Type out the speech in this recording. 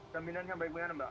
jaminan yang baik baiknya mbak